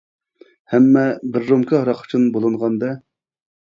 ھەممە بىر رومكا ھاراق ئۈچۈن بولۇنغان-دە.